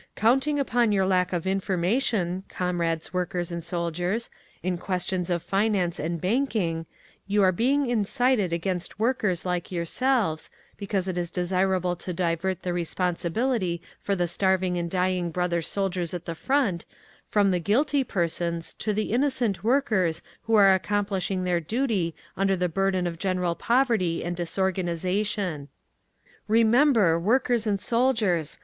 "Counting upon your lack of information, comrades workers and soldiers, in questions of finance and banking, you are being incited against workers like yourselves, because it is desirable to divert the responsibility for the starving and dying brother soldiers at the Front from the guilty persons to the innocent workers who are accomplishing their duty under the burden of general poverty and disorganisation. "REMEMBER, WORKERS AND SOLDIERS!